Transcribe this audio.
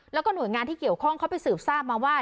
แล้วก็หน่วยงานที่เกี่ยวข้องเขาไปสืบทราบมาว่า